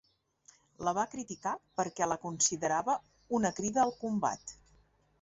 La va criticar perquè la considerava un crida al combat.